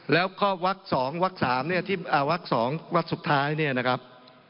แล้วข้อวัก๒วัก๓เนี่ยที่วัก๒วักสุดท้ายเนี่ยนะครับ